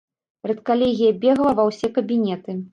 Рэдкалегія бегала ва ўсе кабінеты.